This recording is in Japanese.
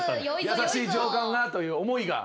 優しい上官がという思いが。